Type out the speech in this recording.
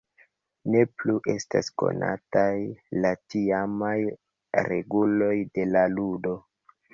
Ne plu estas konataj la tiamaj reguloj de la ludo.